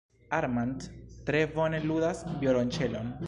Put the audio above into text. Armand tre bone ludas violonĉelon.